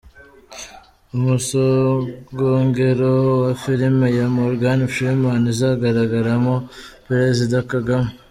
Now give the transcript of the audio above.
Umusogongero wa filime ya Morgan Freeman izagaragaramo Perezida Kagame.